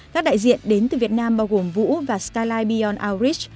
các đại diện đến từ việt nam bao gồm vũ và skyline beyond outreach